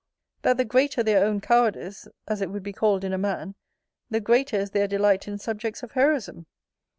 That the greater their own cowardice, as it would be called in a man, the greater is their delight in subjects of heroism?